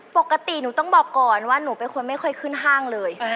ปกติหนูต้องบอกก่อนว่าหนูเป็นคนไม่ค่อยขึ้นห้างเลย